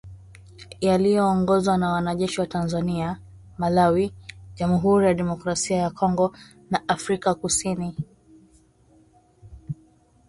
yaliyoongozwa na wanajeshi wa Tanzania, Malawi, jamuhuri ya kidemokrasia ya Kongo na Afrika kusini